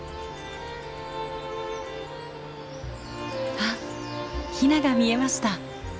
あヒナが見えました。